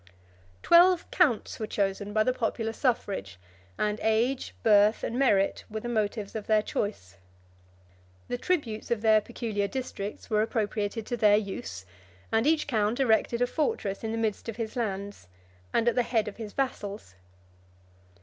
Twelve counts 24 were chosen by the popular suffrage; and age, birth, and merit, were the motives of their choice. The tributes of their peculiar districts were appropriated to their use; and each count erected a fortress in the midst of his lands, and at the head of his vassals.